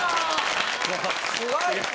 すごい！